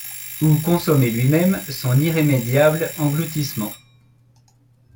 ou consommer lui-même son irrémédiable engloutissement.